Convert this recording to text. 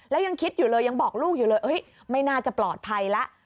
แล้วยังคิดอยู่เลยยังบอกลูกอยู่เลยไม่น่าจะปลอดภัยแล้ว